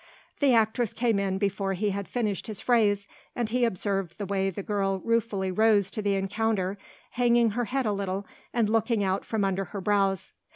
The actress came in before he had finished his phrase, and he observed the way the girl ruefully rose to the encounter, hanging her head a little and looking out from under her brows.